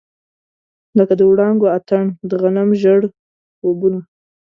لکه د وړانګو اتڼ، د غنم ژړ خوبونه